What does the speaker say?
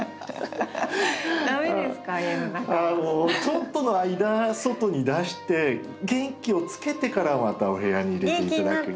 ちょっとの間外に出して元気をつけてからまたお部屋に入れて頂く。